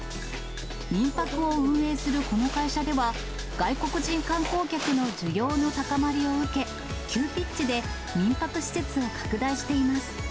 民泊を運営するこの会社では、外国人観光客の需要の高まりを受け、急ピッチで民泊施設を拡大しています。